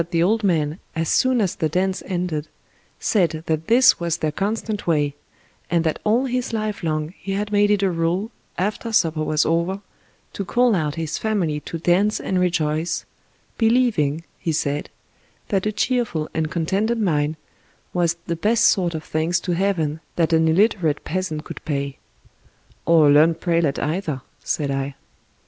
212 Laurence Sterne old man, as soon as the dance ended, said that this was their constant way, and that all his life long he had made it a rule, after supper was over, to call out his family to dance and rejoice, believing, he said, that a cheerful and contented mind was the best sort of thanks to heaven that an illiterate peasant could pay " Or a learned prelate either," said I.